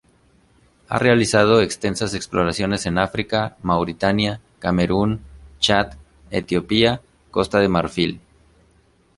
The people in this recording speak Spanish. Ha realizado extensas exploraciones en África, Mauritania, Camerún, Chad, Etiopía, Costa de Marfil.